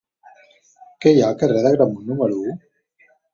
Què hi ha al carrer d'Agramunt número u?